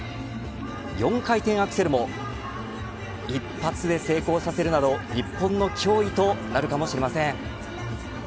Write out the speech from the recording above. ４回転アクセルも一発で成功させるなど日本の脅威となるかもしれません。